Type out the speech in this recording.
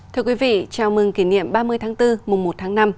thưa quý vị chào mừng kỷ niệm ba mươi tháng bốn mùa một tháng năm